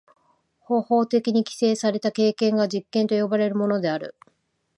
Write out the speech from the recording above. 方法的に規制された経験が実験と呼ばれるものである。